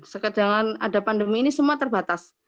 sekedar ada pandemi ini semua terbatas